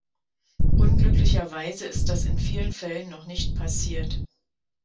Unglücklicherweise ist das in vielen Fällen noch nicht passiert.